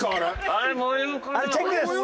あれチェックです。